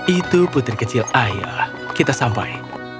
itu putri kecil ayah kita sampai